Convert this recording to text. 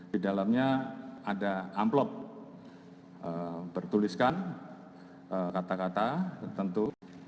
di dalamnya ada amplop bertuliskan kata kata tentu